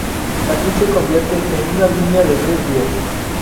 Aquí se convierte en una línea de tres vías.